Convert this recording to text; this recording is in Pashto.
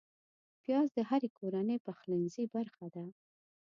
پیاز د هرې کورنۍ پخلنځي برخه ده